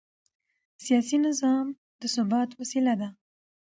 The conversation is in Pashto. سیاسي نظام د ثبات وسیله ده